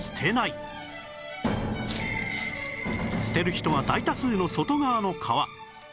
捨てる人が大多数の外側の皮